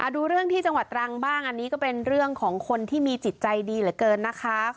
ดูเรื่องที่จังหวัดตรังบ้างอันนี้ก็เป็นเรื่องของคนที่มีจิตใจดีเหลือเกินนะคะ